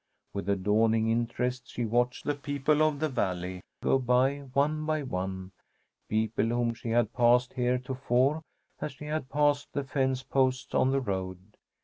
With a dawning interest she watched the people of the Valley go by, one by one, people whom she had passed heretofore as she had passed the fence posts on the road.